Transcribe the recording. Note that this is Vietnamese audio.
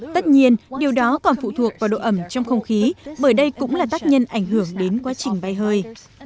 tất nhiên điều đó còn phụ thuộc vào độ ẩm trong không khí bởi đây cũng là tác nhân ảnh hưởng đến quá trình bay hơi